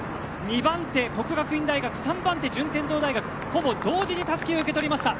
２番手、國學院大學３番手、順天堂大学ほぼ同時にたすきを受け取りました。